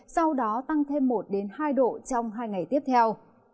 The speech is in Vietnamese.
sau đó tăng thêm một hai độ trong hai ngày tiếp theo